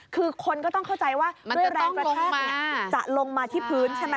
คือคนก็ต้องเข้าใจว่ามันจะต้องลงมาจักลงมาที่พื้นใช่ไหม